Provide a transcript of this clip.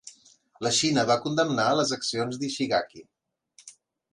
La Xina va condemnar les accions d'Ishigaki.